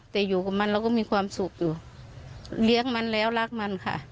แต่อยู่กับมันเราก็มีความสุขอยู่เลี้ยงมันแล้วรักมันค่ะ